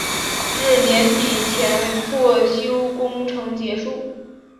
至年底前扩修工程结束。